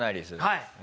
はい。